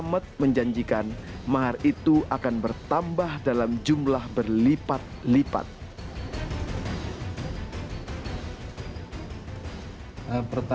menjanjikan mahar itu akan bertambah dalam jumlah berlipat lipat